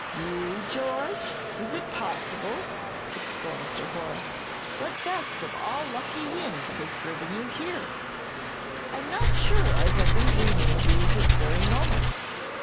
"You, George? Is it possible!" exclaimed Sir Horace; "what best of all lucky winds has driven you here? I'm not sure I wasn't dreaming of you this very moment.